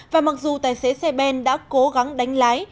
và mặc dù tài xế xe bán tải đã cố gắng đánh lái